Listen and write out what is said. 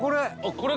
これ。